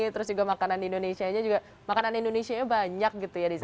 terus juga makanan di indonesia juga makanan indonesia banyak gitu ya di sana